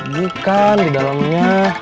bukan di dalamnya